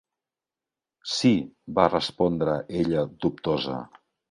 "Sí", va respondre ella dubtosa.